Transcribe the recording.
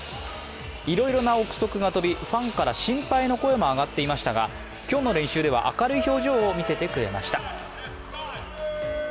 いろいろな憶測が飛び、ファンから心配の声も上がっていましたが今日の練習では明るい表情を見せてくれました。